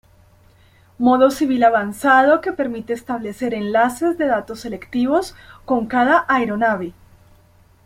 Modo civil avanzado que permite establecer enlaces de datos selectivos con cada aeronave.